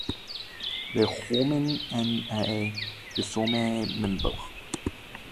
La Romaine en est désormais membre.